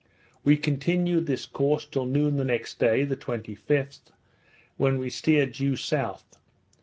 We continued this course till noon the next day, the 25th, when we steered due south.